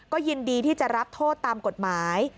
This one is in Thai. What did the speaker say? ก็ยินดีที่จะรับโทษตามกฎหมาย